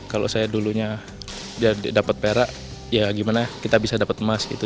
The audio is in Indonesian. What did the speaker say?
kalau saya dulunya dapat perak ya gimana kita bisa dapat emas gitu